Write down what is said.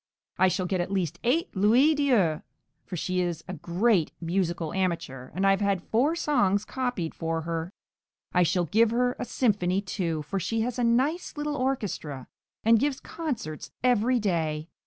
I shall get at least eight louis d'or; for she is a great musical amateur, and I have had four songs copied for her; I shall give her a symphony, too, for she has a nice little orchestra, and gives concerts every day.